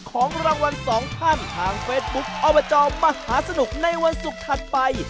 ของรางวัลสองท่านทางเฟซบุ๊คอบจมหาสนุกในวันศุกร์ถัดไป